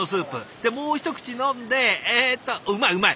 でもう一口飲んでえっとうまいうまい。